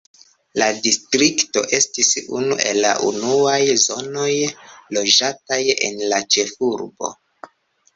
La distrikto estis unu el la unuaj zonoj loĝataj en la ĉefurbo.